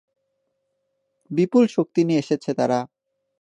বিপুল শক্তি নিয়ে এসেছে তারা।